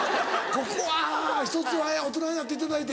ここはひとつ大人になっていただいて。